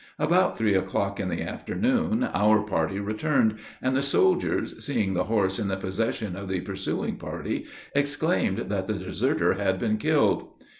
About three o'clock in the afternoon, our party returned, and the soldiers, seeing the horse in the possession of the pursuing party, exclaimed that the deserter had been killed.